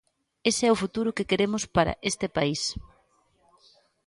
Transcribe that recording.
Ese é o futuro que queremos para este país.